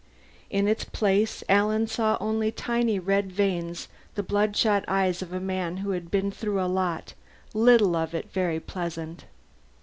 In its place Alan saw only tiny red veins the bloodshot eyes of a man who had been through a lot, little of it very pleasant.